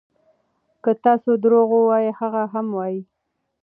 که تاسو درواغ ووایئ هغه هم وایي.